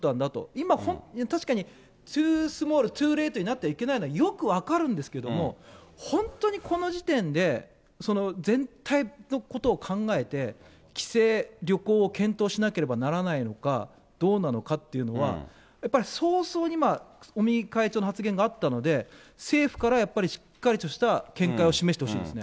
今、確かにトゥー・スモール・ツゥー・レイトになっていけないのはよく分かるんですけども、本当にこの時点でその全体のことを考えて、帰省、旅行、検討しなければならないのか、どうなのかっていうのは、やっぱり早々に尾身会長の発言があったので、政府からやっぱりしっかりとした見解を示してほしいですね。